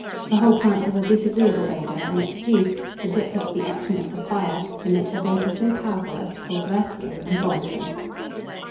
The whole plant has a disagreeable odour, and its juice, subjected to the action of the fire, emits a vapour so powerful as to cause vertigo and vomiting.